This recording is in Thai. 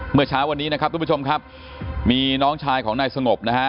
เมื่อเช้าวันนี้นะครับทุกผู้ชมครับมีน้องชายของนายสงบนะฮะ